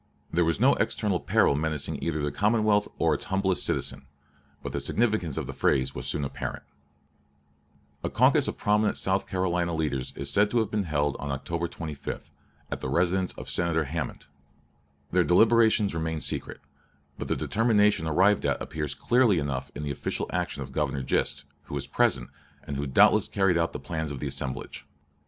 There was no external peril menacing either the commonwealth or its humblest citizen; but the significance of the phrase was soon apparent. South Carolina "House Journal," Called Session, 1860, pp. 10, 11. A caucus of prominent South Carolina leaders is said to have been held on October 25, at the residence of Senator Hammond. Their deliberations remained secret, but the determination arrived at appears clearly enough in the official action of Governor Gist, who was present, and who doubtless carried out the plans of the assemblage.